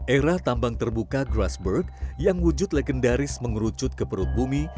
era tambang terbuka grassberg yang wujud legendaris mengerucut ke perut bumi